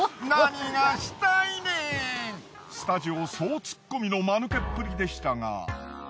スタジオ総ツッコミのまぬけっぷりでしたが。